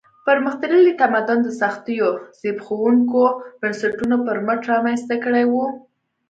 پرمختللی تمدن د سختو زبېښونکو بنسټونو پر مټ رامنځته کړی و.